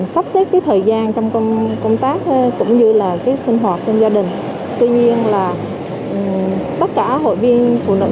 sắp xếp thời gian trong công tác cũng như là sinh hoạt trong gia đình tất cả hội viên phụ nữ